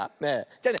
じゃあね